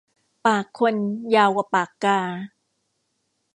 ปากคนยาวกว่าปากกา